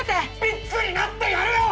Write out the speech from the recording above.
ビッグになってやるよ！